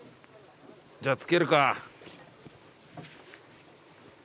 じゃあ付けるか。